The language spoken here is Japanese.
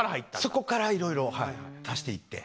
そこからいろいろはい足していって。